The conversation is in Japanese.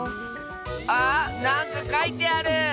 あなんかかいてある！